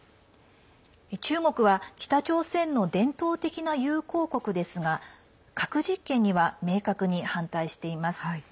中国は北朝鮮の伝統的な友好国ですが核実験には明確に反対しています。